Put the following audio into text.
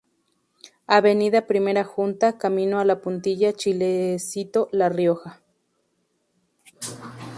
Avenida Primera Junta, camino a La Puntilla, Chilecito, La Rioja.